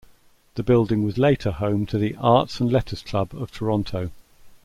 The building was later home to The Arts and Letters Club of Toronto.